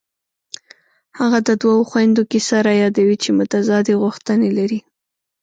هغه د دوو خویندو کیسه رایادوي چې متضادې غوښتنې لري